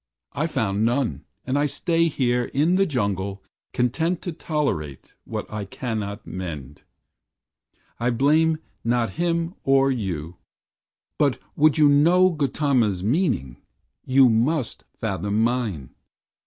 I found none, and I stay here, in the jungle, Content to tolerate what I cannot mend. I blame not him or you, but would you know Gautama's meaning, you must fathom mine.